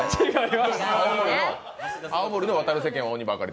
青森での「渡る世間は鬼ばかり」。